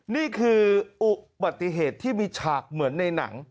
นี่คืออุบัติเหตุที่มีฉากเหมือนในหนัง